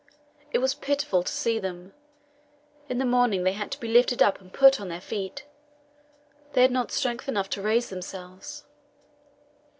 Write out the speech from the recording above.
It was pitiful to see them. In the morning they had to be lifted up and put on their feet; they had not strength enough to raise themselves.